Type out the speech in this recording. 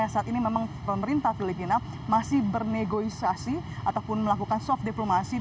saat ini memang pemerintah filipina masih bernegosiasi ataupun melakukan soft diplomasi